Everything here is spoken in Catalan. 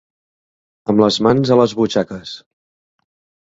Amb les mans a les butxaques.